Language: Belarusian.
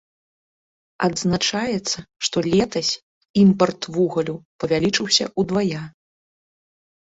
Адзначаецца, што летась імпарт вугалю павялічыўся ўдвая.